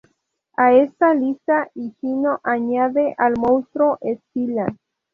A esta lista Higino añade al monstruo Escila.